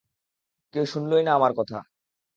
কেউ শুনলোই না আমার কথা।